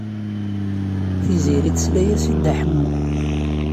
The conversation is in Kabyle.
Tiziri tesla-as i Dda Ḥemmu.